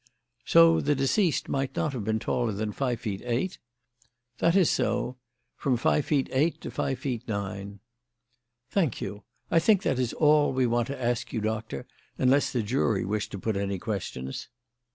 "So the deceased might not have been taller than five feet eight?" "That is so: from five feet eight to five feet nine." "Thank you. I think that is all we want to ask you, Doctor; unless the jury wish to put any questions."